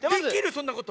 そんなこと。